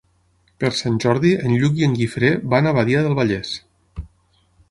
Per Sant Jordi en Lluc i en Guifré van a Badia del Vallès.